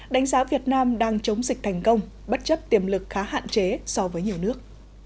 đánh giá việt nam đang chống dịch thành công bất chấp tiềm lực khá hạn chế so với nhiều nước